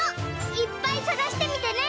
いっぱいさがしてみてね！